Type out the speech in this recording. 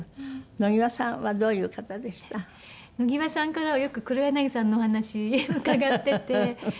野際さんからはよく黒柳さんのお話伺ってて。